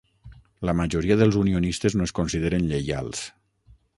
La majoria dels unionistes no es consideren lleials.